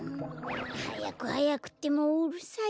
はやくはやくってもううるさいな。